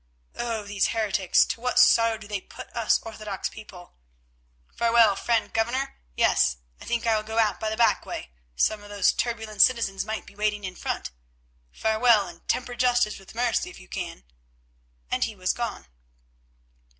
Oh! these heretics, to what sorrow do they put us orthodox people! Farewell, friend Governor; yes, I think I will go out by the back way, some of those turbulent citizens might be waiting in front. Farewell, and temper justice with mercy if you can," and he was gone.